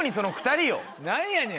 何やねん。